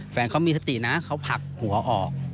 แฟนเขามีสตินะเขาผลักหัวออก